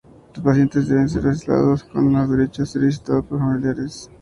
Los pacientes deben ser aislados mas con el derecho a ser visitados por familiares.